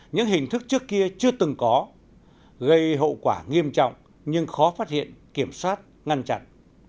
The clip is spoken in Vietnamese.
những hình thức trước kia chưa từng có gây hậu quả nghiêm trọng nhưng khó phát hiện kiểm soát ngăn chặn